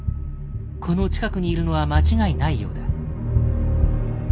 この近くにいるのは間違いないようだ。